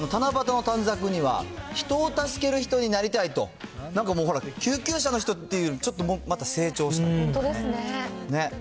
４歳なんですけど、七夕の短冊には、人を助ける人になりたいと、なんかもう、救急車の人っていう、ちょっとまた成長したね。